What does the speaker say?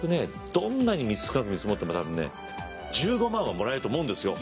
どんなに少なく見積もっても多分ね１５万はもらえると思うんですよ。